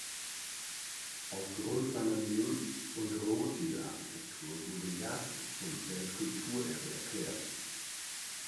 Aufgrund seiner Lehm- und Rohziegel-Architektur wurde Yazd zum Weltkulturerbe erklärt.